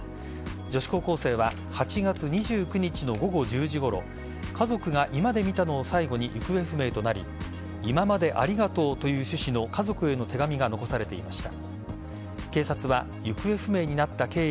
女子高校生は８月２９日の午後１０時ごろ家族が居間で見たのを最後に行方不明となり今までありがとうという趣旨の家族への手紙が残されていました。